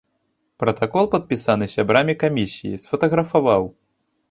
Пратакол, падпісаны сябрамі камісіі, сфатаграфаваў.